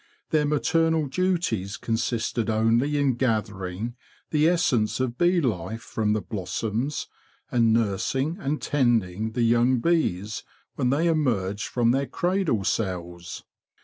Their maternal duties consisted only in gathering the essence of bee life from the blossoms and nursing and tending the young bees when they emerged from their cradle cells.